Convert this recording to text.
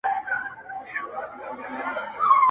د خدای سره خبرې کړه هنوز په سجده کي_